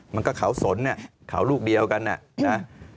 มันก็เขาสนเนี่ยเขาลูกเดียวกันน่ะนะ